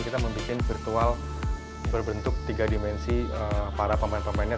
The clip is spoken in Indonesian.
kita membuat virtual berbentuk tiga dimensi para pemain pemainnya